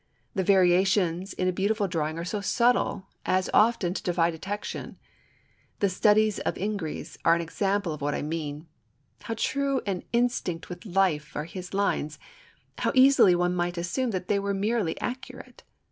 The variations in a beautiful drawing are so subtle as often to defy detection. The studies of Ingres are an instance of what I mean. How true and instinct with life are his lines, and how easily one might assume that they were merely accurate.